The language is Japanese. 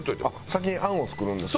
先にあんを作るんですね。